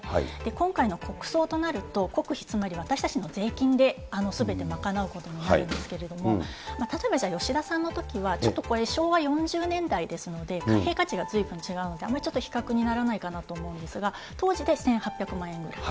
今回の国葬となると、国費、つまり私たちの税金ですべて賄うことになるんですけれども、例えばじゃあ、吉田さんのときは、ちょっとこれ、昭和４０年代ですので、貨幣価値がずいぶん違うので、あんまりちょっと比較にならないかと思うんですが、当時で１８００万円ぐらい。